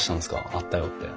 あったよって。